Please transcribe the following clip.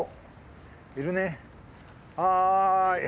はい。